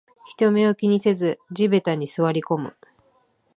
人目を気にせず地べたに座りこむ